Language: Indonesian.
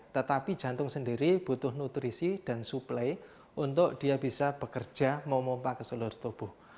tetapi jantung sendiri butuh nutrisi dan suplai untuk dia bisa bekerja memompak ke seluruh tubuh